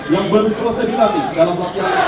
yang berusaha sedinamik dalam latihan